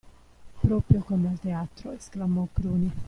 "Proprio come al teatro," esclamò Cruni.